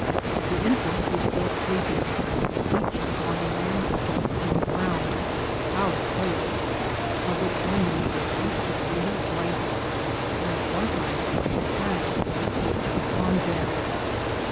The infants were still sleeping, each upon a lamb's skin, on the ground, without a pillow, covered only with a piece of dirty blanket, and sometimes the hens would perch upon them.